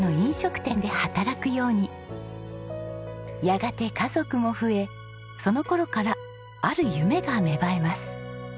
やがて家族も増えその頃からある夢が芽生えます。